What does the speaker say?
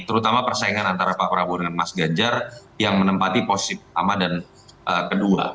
terutama persaingan antara pak prabowo dengan mas ganjar yang menempati posisi pertama dan kedua